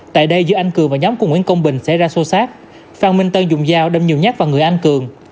tại đây giữa anh cường và nhóm của nguyễn công bình xảy ra xô xát phan minh tân dùng dao đâm nhiều nhát vào người anh cường